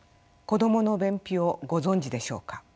子どもの便秘をご存じでしょうか。